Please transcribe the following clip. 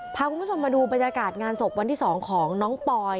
พาคุณผู้ชมมาดูบรรยากาศงานศพวันที่๒ของน้องปอย